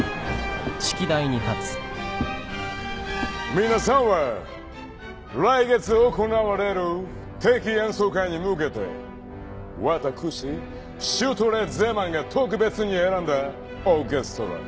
皆さんは来月行われる定期演奏会に向けて私シュトレーゼマンが特別に選んだオーケストラ。